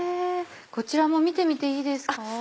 こちらも見ていいですか？